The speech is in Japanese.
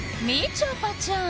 ちょぱちゃーん！